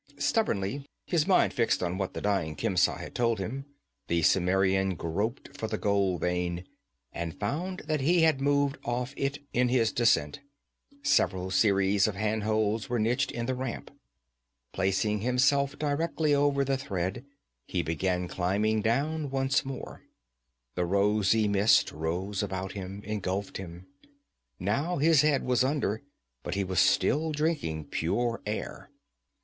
Stubbornly, his mind fixed on what the dying Khemsa had told him, the Cimmerian groped for the gold vein, and found that he had moved off it in his descent. Several series of hand holds were niched in the ramp. Placing himself directly over the thread, he began climbing down once more. The rosy mist rose about him, engulfed him. Now his head was under, but he was still drinking pure air.